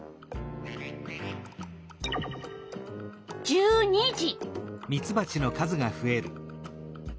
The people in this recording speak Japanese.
１２時。